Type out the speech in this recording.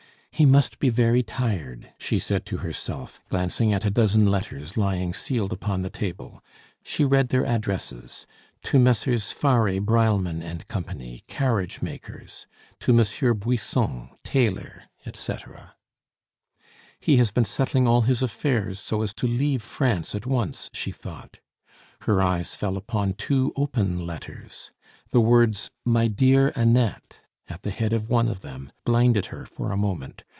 "He must be very tired," she said to herself, glancing at a dozen letters lying sealed upon the table. She read their addresses: "To Messrs. Farry, Breilmann, & Co., carriage makers"; "To Monsieur Buisson, tailor," etc. "He has been settling all his affairs, so as to leave France at once," she thought. Her eyes fell upon two open letters. The words, "My dear Annette," at the head of one of them, blinded her for a moment.